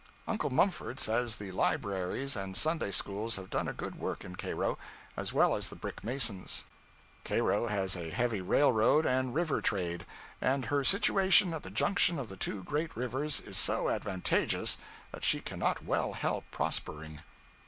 Uncle Mumford says the libraries and Sunday schools have done a good work in Cairo, as well as the brick masons. Cairo has a heavy railroad and river trade, and her situation at the junction of the two great rivers is so advantageous that she cannot well help prospering.